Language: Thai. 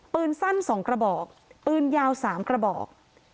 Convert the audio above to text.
ปืนสั้น๒กระบอกปืนยาว๓กระบอก